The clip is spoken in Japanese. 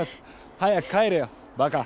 早く帰れよばか。